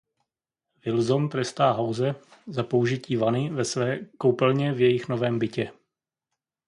Wilson trestá House za použití vany ve své koupelně v jejich novém bytě.